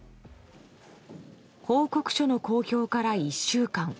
報告書の公表から１週間。